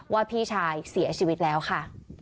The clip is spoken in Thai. พี่ชายเสียชีวิตแล้วค่ะ